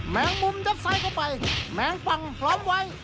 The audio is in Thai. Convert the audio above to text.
แมงมุมยับไซด์เข้าไปแมงป้องพร้อมไว้